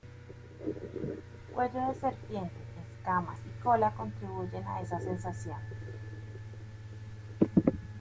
Cuello de serpiente, escamas y cola contribuyen a esa sensación.